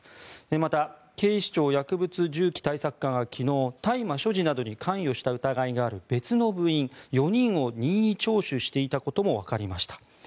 また、警視庁薬物銃器対策課が昨日大麻所持などに関与した疑いがある別の部員４人を任意聴取していたこともわかりました。